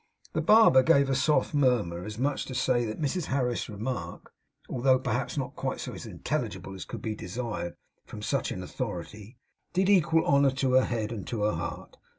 The barber gave a soft murmur, as much as to say that Mrs Harris's remark, though perhaps not quite so intelligible as could be desired from such an authority, did equal honour to her head and to her heart.